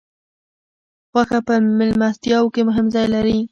غوښه په میلمستیاوو کې مهم ځای لري.